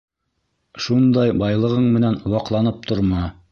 Шундай байлығың менән ваҡланып торма!